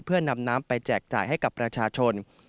เพื่อนำน้ำไปแจกจ่ายให้กับประชาชน